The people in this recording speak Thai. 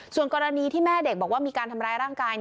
ส่วนกรณีที่แม่เด็กบอกว่ามีการทำร้ายร่างกาย